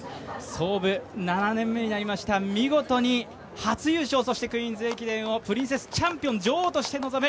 創部７年目になりました、見事に初優勝、そしてクイーンズ駅伝をプリンセスチャンピオン、女王として臨む